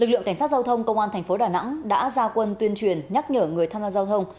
lực lượng cảnh sát giao thông công an thành phố đà nẵng đã ra quân tuyên truyền nhắc nhở người tham gia giao thông